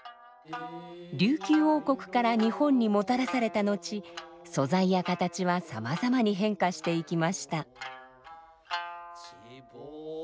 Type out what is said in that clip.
琉球王国から日本にもたらされた後素材や形はさまざまに変化していきました。